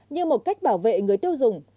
như một cách bảo vệ người tiêu dùng